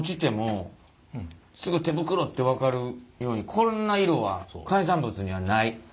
こんな色は海産物にはない。